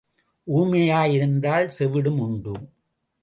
ஊமையாய் இருந்தால் செவிடும் உண்டு.